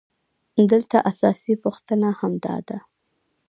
دلته اساسي پوښتنه هم همدا ده